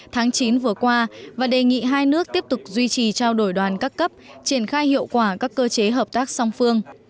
tháng chín vừa qua và đề nghị hai nước tiếp tục duy trì trao đổi đoàn các cấp triển khai hiệu quả các cơ chế hợp tác song phương